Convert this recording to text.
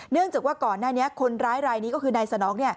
จากว่าก่อนหน้านี้คนร้ายรายนี้ก็คือนายสนอง